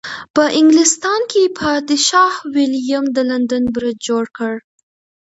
په انګلستان کې پادشاه ویلیم د لندن برج جوړ کړ.